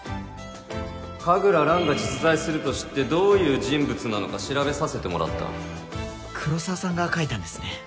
神楽蘭が実在すると知ってどういう人物なのか調べさせてもらった黒澤さんが書いたんですね。